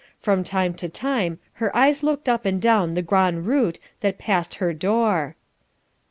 From time to time her eyes looked up and down the gran' route that passed her door.